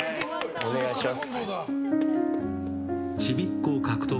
お願いします。